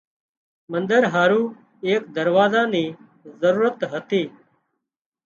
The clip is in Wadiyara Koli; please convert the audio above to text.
منۮر هارُو ايڪ دروازا نِي ضرورت هتي